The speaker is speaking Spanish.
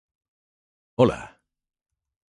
hola